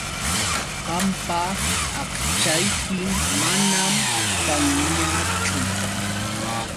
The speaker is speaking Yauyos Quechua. Qampa aqchaykim manam kanñachu.